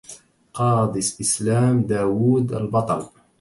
قاضي الإسلام داوود البطل